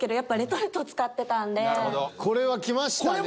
これはきましたね。